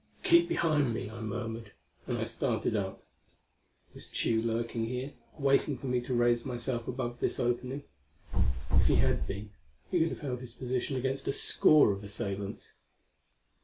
"Keep behind me," I murmured, and I started up. Was Tugh lurking here, waiting for me to raise myself above this opening? If he had been, he could have held his position against a score of assailants.